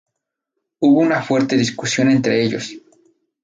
Hubo una fuerte discusión entre ellos.